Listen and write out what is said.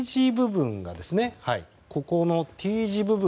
このＴ字部分。